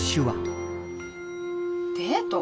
デート！？